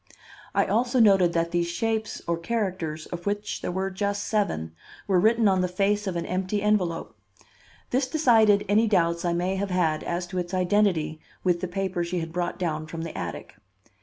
I also noted that these shapes or characters, of which there were just seven, were written on the face of an empty envelope. This decided any doubts I may have had as to its identity with the paper she had brought down from the attic.